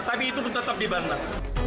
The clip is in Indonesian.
tapi itu tetap dibantah